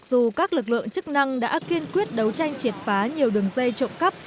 dù các lực lượng chức năng đã kiên quyết đấu tranh triệt phá nhiều đường dây trộm cắp